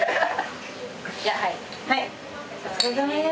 お疲れさまです。